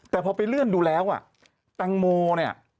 แต่พอไปเลื่อนดูแล้วอ่ะแตงโมเนี่ย